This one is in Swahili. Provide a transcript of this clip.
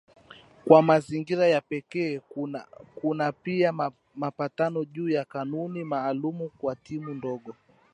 Kwa mazingira ya pekee kuna pia mapatano juu ya kanuni maalumu kwa timu ndogo